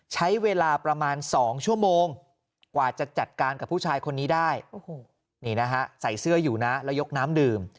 ใช้เวลาประมาณ๒ชั่วโมงกว่าจะจัดการกับผู้ชายคนนี้ได้นี่นะฮะใส่เสื้ออยู่นะแล้วยกน้ำดื่ม